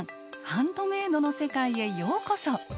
ハンドメイドの世界へようこそ！